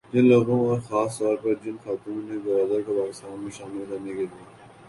جن لوگوں اور خاص طور پر جن خاتون نے گوادر کو پاکستان میں شامل کرنے کے لیے